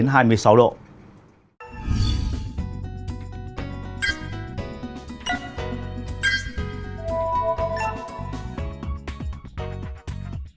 nhiệt độ cao nhất vào lúc trưa chiều